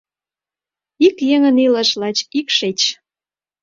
Ик еҥын илыш — лач ик шеч